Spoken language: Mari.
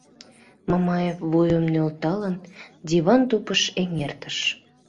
— Мамаев, вуйым нӧлталын, диван тупыш эҥертыш.